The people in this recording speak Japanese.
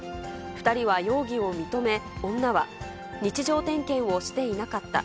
２人は容疑を認め、女は、日常点検をしていなかった。